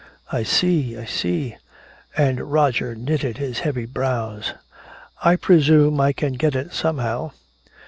"I see I see." And Roger knitted his heavy brows. "I presume I can get it somehow."